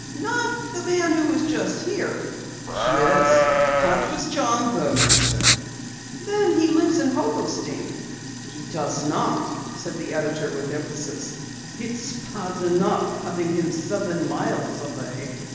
"Not the man who was just here?" "Yes, that was John Burmaster." "Then he lives in Hobostein?" "He does not," said the editor with emphasis. "It's bad enough having him seven miles away.